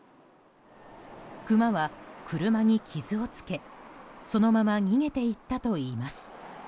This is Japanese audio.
クマは車に傷をつけ、そのまま逃げていったといいます。